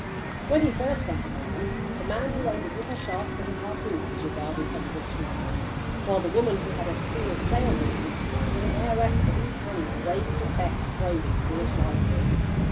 When he first went among them, the man who owned a wooden shaft for his harpoon was regarded as a rich man, while the woman who had a steel sail needle was an heiress for whose hand the bravest and best strove in fierce rivalry.